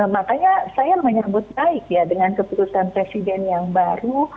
makanya saya menyebut baik ya dengan keputusan presiden yang baru